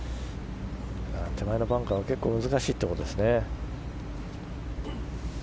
手前のバンカーが結構難しいということですね。